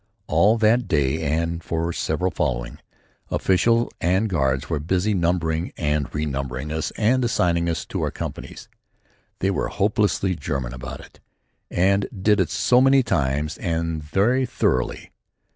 All that day and for several following, official and guards were busy numbering and renumbering us and assigning us to our companies. They were hopelessly German about it, and did it so many times and very thoroughly.